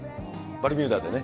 バルミューダでね。